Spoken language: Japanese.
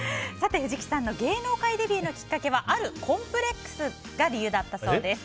藤木さんの芸能界デビューのきっかけはあるコンプレックスが理由だったそうです。